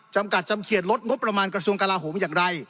จำกัดจำเขียดลดงบประมาณกระทรวงกลาโหมอย่างไร